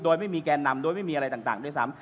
โดยไม่มีแกนนำโดยไม่มีอะไรต่างด้วยซ้ำ